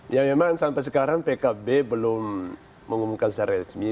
ya memang sampai sekarang pkb belum mengumumkan secara resmi